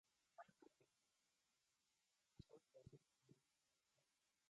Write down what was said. A short excerpt from the audio book is available on Amazon dot com.